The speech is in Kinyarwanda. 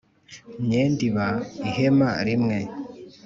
Myenda iba ihema rimwe